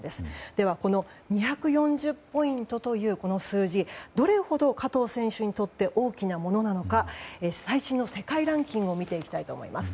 では、この２４０ポイントというこの数字どれほど加藤選手にとって大きなものなのか最新の世界ランキングを見ていきたいと思います。